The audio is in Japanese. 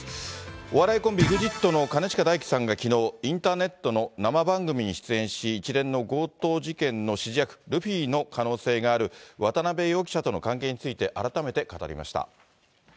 お笑いコンビ、ＥＸＩＴの兼近大樹さんがきのう、インターネットの生番組に出演し、一連の強盗事件の指示役、ルフィの可能性がある渡辺容疑者との関係について、改めて語りました。